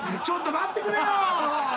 ちょっと待ってくれよ！